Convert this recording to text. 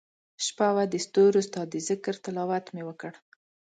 شپه وه دستورو ستا دذکرتلاوت مي وکړ